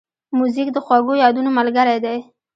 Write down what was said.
موزیک د خوږو یادونو ملګری دی.